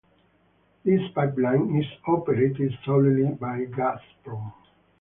This pipeline is operated solely by Gazprom.